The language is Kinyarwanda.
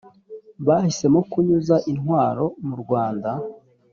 bahisemo kunyuza intwaro mu rwanda